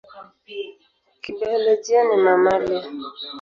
Kibiolojia ni mamalia.